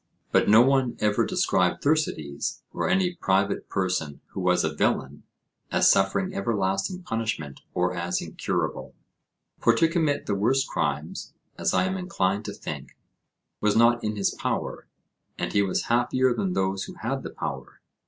But no one ever described Thersites, or any private person who was a villain, as suffering everlasting punishment, or as incurable. For to commit the worst crimes, as I am inclined to think, was not in his power, and he was happier than those who had the power.